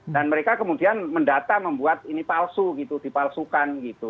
dan mereka kemudian mendata membuat ini palsu gitu dipalsukan gitu